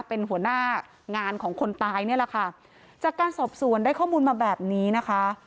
เป็นหัวหน้างานของคนตายนี่แหละค่ะจากการสอบสวนได้ข้อมูลมาแบบนี้นะคะ